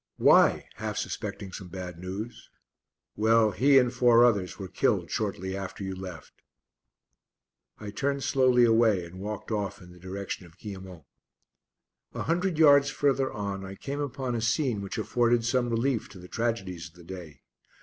"Why?" half suspecting some bad news. "Well, he and four others were killed shortly after you left." I turned slowly away and walked off in the direction of Guillemont. A hundred yards further on I came upon a scene which afforded some relief to the tragedies of the day.